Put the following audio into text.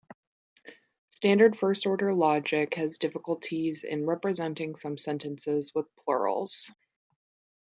Standard first order logic has difficulties in representing some sentences with plurals.